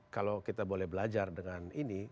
kalau kita boleh belajar dengan ini